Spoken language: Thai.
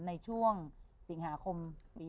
ในช่วงสิงหาคมปีหน้า